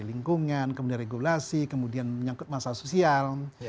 lingkungan kemudian regulasi kemudian menyangkut masalah sosial